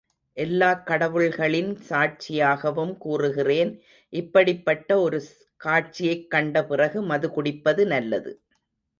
எல்லாக் கடவுள்களின் சாட்சியாகவும் கூறுகிறேன், இப்படிப்பட்ட ஒரு காட்சியைக் கண்ட பிறகு மது குடிப்பது நல்லது.